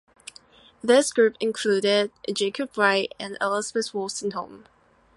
This group included Jacob Bright and Elizabeth Wolstenholme.